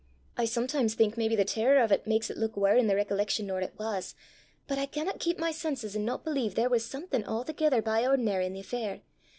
I sometimes think maybe the terror o' 't maks it luik waur i' the recollection nor it was; but I canna keep my senses an' no believe there was something a'thegither by ord'nar i' the affair.